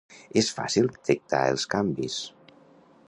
És fàcil detectar els canvis.